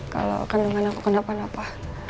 kalau kandungan aku kenapa napa